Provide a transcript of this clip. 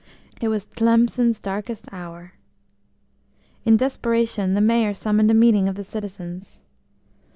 It was Tlemcen's darkest hour. In desperation the Mayor summoned a meeting of the citizens.